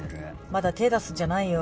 まだ手出すんじゃないよ。